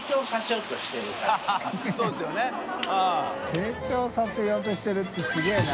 成長させようとしてる」ってすげぇな。